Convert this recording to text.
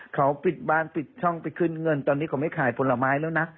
เขาปิดบ้านปิดช่องไปขึ้นเงินตอนนี้เขาไม่ขายผลไม้แล้วนะ